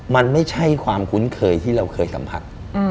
มันไม่ใช่ความคุ้นเคยที่เราเคยสัมผัส